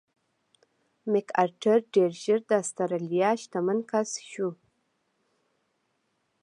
مک ارتر ډېر ژر د اسټرالیا شتمن کس شو.